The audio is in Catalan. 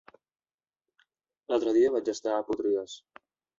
L'altre dia vaig estar a Potries.